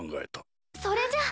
それじゃ。